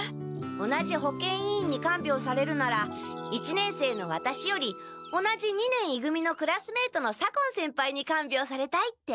同じ保健委員にかんびょうされるなら一年生のワタシより同じ二年い組のクラスメートの左近先輩にかんびょうされたいって。